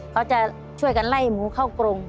เขาจะช่วยกันไล่หมูเข้ากรง